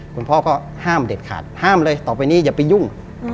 คุณพ่อก็ห้ามเด็ดขาดห้ามเลยต่อไปนี้อย่าไปยุ่ง